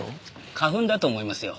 花粉だと思いますよ。